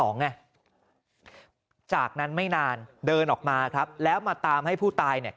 หลังจากนั้นไม่นานเดินออกมาครับแล้วมาตามให้ผู้ตายเนี่ย